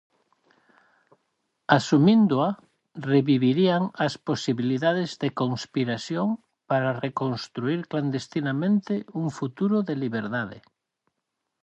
Asumíndoa revivirían as posibilidades de conspiración para reconstruír clandestinamente un futuro de liberdade.